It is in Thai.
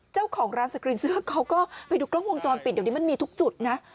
เจ้าของร้านสกรีนเสื้อเขาก็ไปดูกล้องวงจรปิดเดี๋ยวนี้มันมีทุกจุดนะ